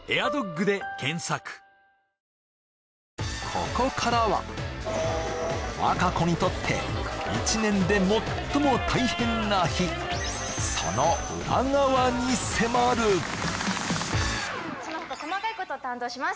ここからは和歌子にとって１年で最も大変な日その裏側に迫るその他細かいことを担当します